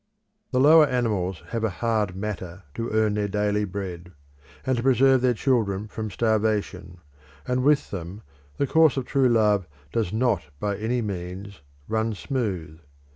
The lower animals have a hard matter to earn their daily bread, and to preserve their children from starvation; and with them the course of true love does not by any means run smooth.